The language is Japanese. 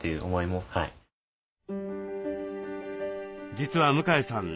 実は向江さん